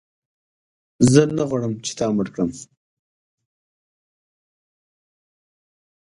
زه نه غواړم تا مړ کړم